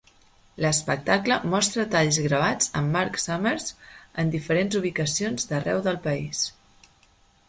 L'espectacle mostra talls gravats amb Marc Summers en diferents ubicacions d'arreu del país.